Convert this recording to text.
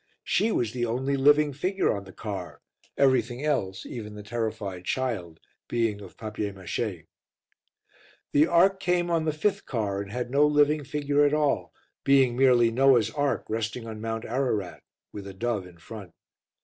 She was the only living figure on the car, everything else, even the terrified child, being of papier mache. The Ark came on the fifth car and had no living figure at all, being merely Noah's Ark resting on Mount Ararat with a dove in front.